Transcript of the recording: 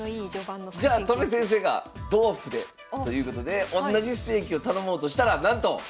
じゃあ戸辺先生が「同歩で」ということでおんなじステーキを頼もうとしたらなんと！